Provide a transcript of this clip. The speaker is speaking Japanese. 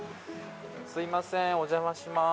すいませんお邪魔します。